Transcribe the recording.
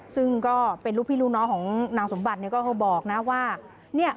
ซึ่งก็เป็นลูกพี่ลูกน้องของนางสมบัติเนี่ยก็บอกนะว่า